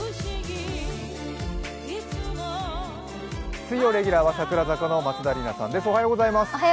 水曜レギュラーは櫻坂の松田里奈さんです。